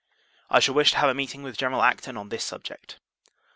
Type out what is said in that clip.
I shall wish to have a meeting with General Acton on this subject.